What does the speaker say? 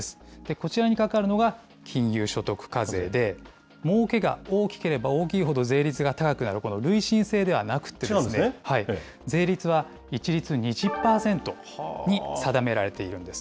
こちらにかかるのが金融所得課税で、もうけが大きければ大きいほど税率が高くなる、この累進制ではなくて、税率は一律２０％に定められているんです。